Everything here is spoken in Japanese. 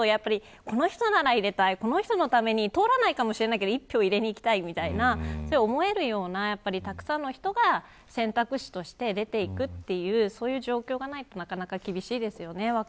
この人なら入れたいこの人のために、通らないかもしれないけど、一票入れに行きたいみたいなそう思えるようなたくさんの人が選択肢として出ていくというそういう状況がないとなかなか厳しいと思います。